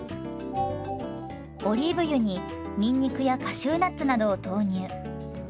オリーブ油ににんにくやカシューナッツなどを投入。